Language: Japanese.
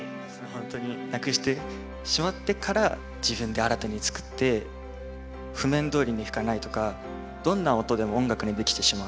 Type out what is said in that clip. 本当になくしてしまってから自分で新たに作って譜面どおりに吹かないとかどんな音でも音楽にできてしまう。